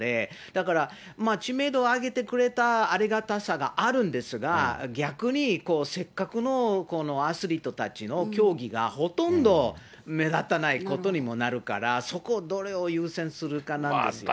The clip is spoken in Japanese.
だから、知名度を上げてくれたありがたさがあるんですが、逆に、せっかくのこのアスリートたちの競技がほとんど目立たないことにもなるから、そこをどれを優先するかなんですよね。